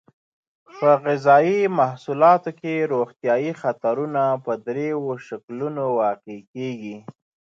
په غذایي محصولاتو کې روغتیایي خطرونه په دریو شکلونو واقع کیږي.